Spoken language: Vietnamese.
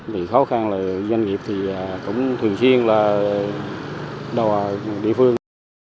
thì khó khăn là doanh nghiệp thì cũng thường xuyên là đòi địa phương